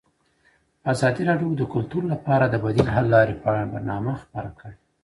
ازادي راډیو د کلتور لپاره د بدیل حل لارې په اړه برنامه خپاره کړې.